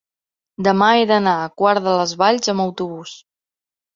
Demà he d'anar a Quart de les Valls amb autobús.